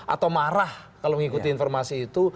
atau marah kalau mengikuti informasi itu